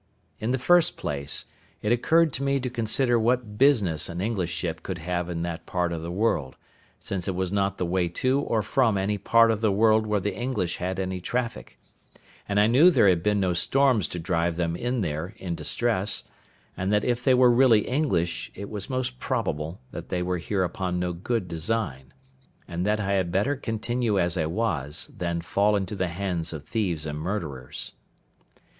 In the first place, it occurred to me to consider what business an English ship could have in that part of the world, since it was not the way to or from any part of the world where the English had any traffic; and I knew there had been no storms to drive them in there in distress; and that if they were really English it was most probable that they were here upon no good design; and that I had better continue as I was than fall into the hands of thieves and murderers.